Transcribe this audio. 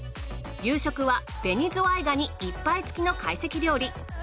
夕食は紅ズワイガニ１杯付きの会席料理。